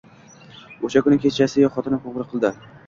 O`sha kuni kechasiyoq xotinim qo`ng`iroq qildi